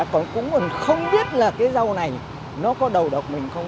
còn cũng không biết là cái rau này nó có đầu độc mình không